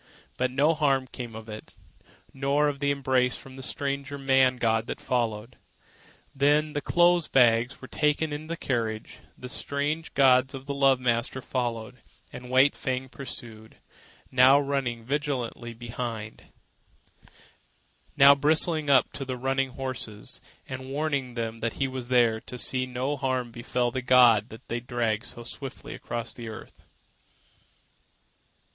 But no harm came of it, nor of the embrace from the strange man god that followed. Then the clothes bags were taken into the carriage, the strange gods and the love master followed, and White Fang pursued, now running vigilantly behind, now bristling up to the running horses and warning them that he was there to see that no harm befell the god they dragged so swiftly across the earth.